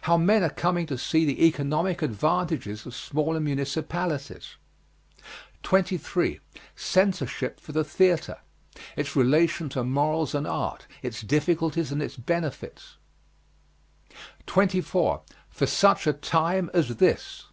How men are coming to see the economic advantages of smaller municipalities. 23. CENSORSHIP FOR THE THEATRE. Its relation to morals and art. Its difficulties and its benefits. 24. FOR SUCH A TIME AS THIS.